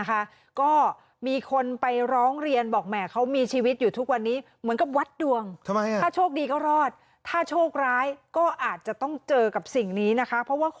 กับมีสายไฟโยงอยู่อยู่เส้นเดียวเออเส้นเดียว